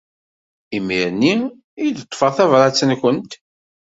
Imir-nni i d-ṭṭfeɣ tabrat-nkent.